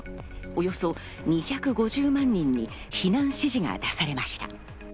およそ２５０万人に避難指示が出されました。